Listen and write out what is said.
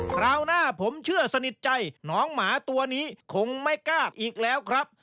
คราวหน้าผมเชื่อสนิทใจน้องหมาตัวนี้คงไม่กล้าอีกแล้วครับ